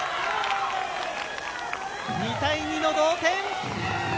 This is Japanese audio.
２対２の同点。